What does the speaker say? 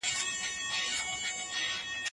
زه اوس سينه سپين کوم؟